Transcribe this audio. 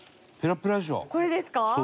芦田：これですか？